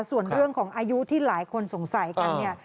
ส่วนเรื่องของอายุที่หลายคนสงสัยกันเนี่ย